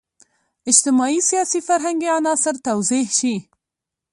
اجتماعي، سیاسي، فرهنګي عناصر توضیح شي.